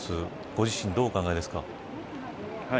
ご自身、どうお考えですか。